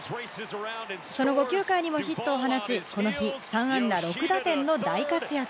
その後、９回にもヒットを放ち、この日、３安打６打点の大活躍。